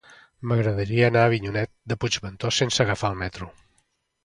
M'agradaria anar a Avinyonet de Puigventós sense agafar el metro.